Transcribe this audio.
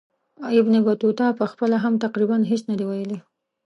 ابن بطوطه پخپله هم تقریبا هیڅ نه دي ویلي.